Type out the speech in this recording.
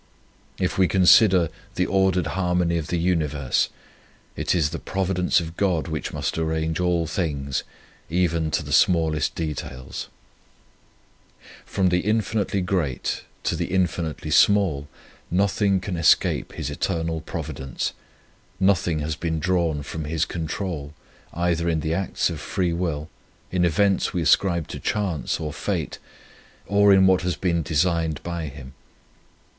If we consider the ordered harmony of the universe, it is the Providence of God which must arrange all things, even to the smallest details. 103 On Union with God From the infinitely great to the infinitely small nothing can escape His eternal Providence ; nothing has been drawn from His control, either in the acts of free will, in events we ascribe to chance or fate, or in what has been designed by Him.